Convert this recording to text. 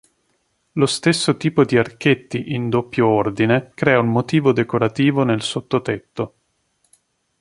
Lo stesso tipo di archetti in doppio ordine crea un motivo decorativo nel sottotetto.